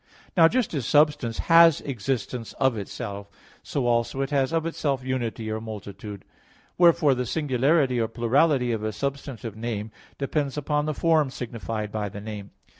Now just as substance has existence of itself, so also it has of itself unity or multitude; wherefore the singularity or plurality of a substantive name depends upon the form signified by the name.